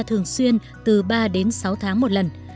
thường xuyên từ ba đến sáu tháng một lần